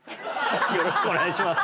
よろしくお願いします